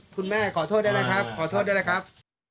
คุณแม่ขอโทษได้แล้วครับขอโทษได้แล้วครับ